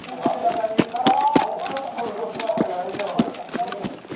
ちょっと動きましたが大丈夫。